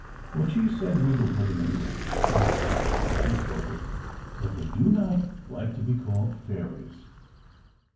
What she said we will put in English, not Scotch as she spoke it. "But they do not like to be called fairies.